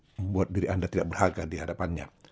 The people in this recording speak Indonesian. membuat diri anda tidak berharga di hadapannya